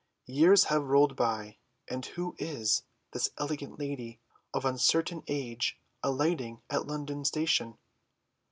"Years have rolled by, and who is this elegant lady of uncertain age alighting at London Station?"